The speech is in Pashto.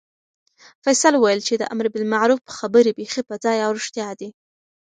فیصل وویل چې د امربالمعروف خبرې بیخي په ځای او رښتیا دي.